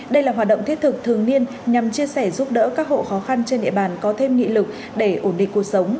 đây là hoạt động thiết thực thường niên nhằm chia sẻ giúp đỡ các hộ khó khăn trên địa bàn có thêm nghị lực để ổn định cuộc sống